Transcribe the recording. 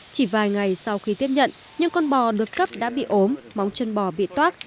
chỉ vài ngày sau khi tiếp nhận những con bò được cấp đã bị ốm móng chân bò bị toác